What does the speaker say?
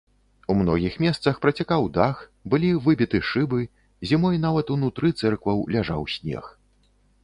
У многіх месцах працякаў дах, былі выбіты шыбы, зімой нават унутры цэркваў ляжаў снег.